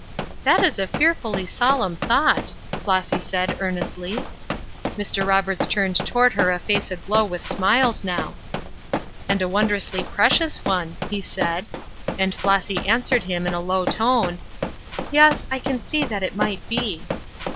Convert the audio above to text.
"That is a fearfully solemn thought," Flossy said, earnestly. Mr. Roberts turned toward her a face aglow with smiles now. "And a wondrously precious one," he said, and Flossy answered him in a low tone: "Yes, I can see that it might be."